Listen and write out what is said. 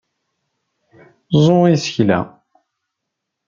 Ẓẓu isekla!